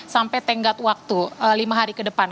sampai tenggat waktu lima hari ke depan